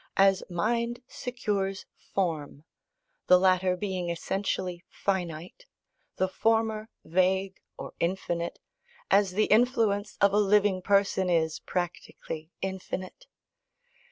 as mind secures form, the latter being essentially finite, the former vague or infinite, as the influence of a living person is practically infinite.